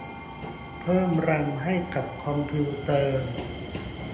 เพิ่มแรมให้กับคอมพิวเตอร์